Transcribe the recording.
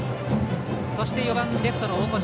そして４番レフト、大越。